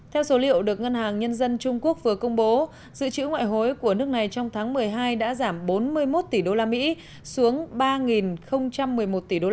theo số liệu được ngân hàng nhân dân trung quốc vừa công bố dự trữ ngoại hối của nước này trong tháng một mươi hai đã giảm bốn mươi một tỷ usd xuống ba một mươi một tỷ usd